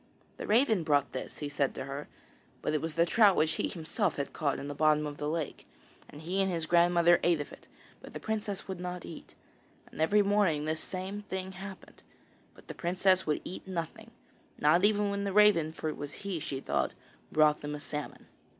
'The raven brought this,' he said to her. But it was the trout which he himself had caught in the bottom of the lake; and he and his grandmother ate of it, but the princess would not eat. And every morning this same thing happened, but the princess would eat nothing, not even when the raven for it was he, she thought brought them a salmon.